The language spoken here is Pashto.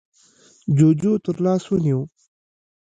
جُوجُو تر لاس ونيو: